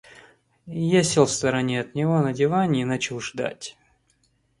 Я сел в стороне от него на диване и начал ждать.